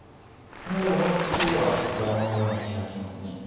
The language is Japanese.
あんまり思いつきではやらないような気がします。